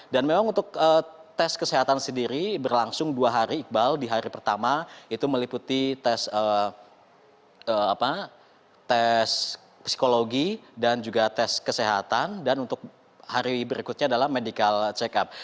dan memang untuk tes kesehatan sendiri berlangsung dua hari iqbal di hari pertama itu meliputi tes psikologi dan juga tes kesehatan dan untuk hari berikutnya adalah medical check up